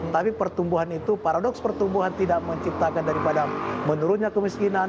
tapi pertumbuhan itu paradoks pertumbuhan tidak menciptakan daripada menurunnya kemiskinan